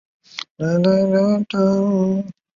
把一些蜡板绑在一起可能就是现代书的原型之一。